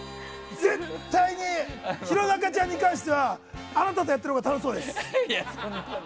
絶対に、弘中ちゃんに関してはあなたとやってるほうが全然だよ。